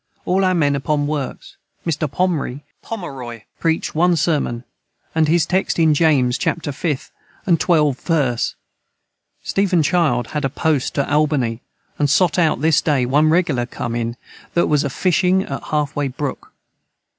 All our men upon works Mr. Pomri preachd 1 sermon & his text in James Chapter 5th & 12 verce Stephen child had a post to Albany and sot out this day one regular com in that was a fishing at half way Brook.